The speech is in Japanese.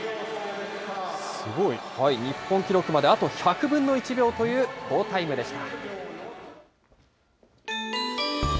すごい。日本記録まであと１００分の１秒という好タイムでした。